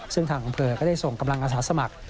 ซึ่งทางอำเภอก็ได้ส่งกำลังอาสาสมัคร